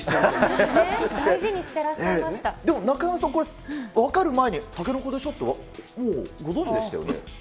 でも中山さん、分かる前にタケノコでしょって、もう、ご存じでしたよね。